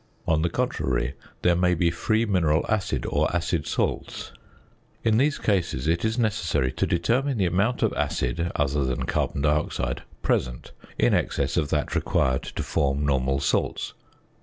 On the contrary, there may be free mineral acid or acid salts. In these cases it is necessary to determine the amount of acid (other than carbon dioxide) present in excess of that required to form normal salts.